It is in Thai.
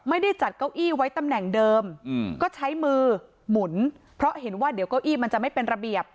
ไม่ได้จัดเก้าอี้ไว้ตำแหน่งเดิมก็ใช้มือหมุนเพราะเห็นว่าเดี๋ยวเก้าอี้มันจะไม่เป็นระเบียบ